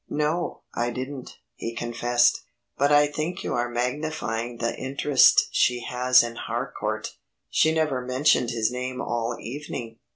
"No, I didn't," he confessed, "but I think you are magnifying the interest she has in Harcourt. She never mentioned his name all evening."